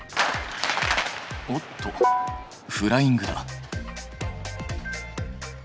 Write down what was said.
おっとフライングだ。